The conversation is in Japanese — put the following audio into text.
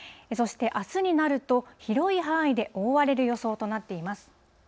そして、あすになると広い範囲で大荒れの予想となっています。